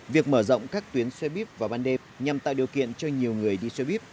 việc mở rộng các tuyến xe buýt vào ban đêm nhằm tạo điều kiện cho nhiều người đi xe buýt